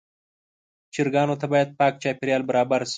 چرګانو ته باید پاک چاپېریال برابر شي.